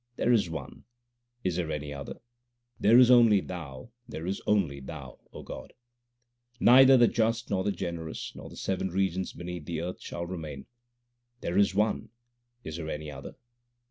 There is One ; is there any other ? There is only Thou, there is only Thou, God ! Neither the just nor the generous, Nor the seven regions beneath the earth shall remain. There is One : is there any other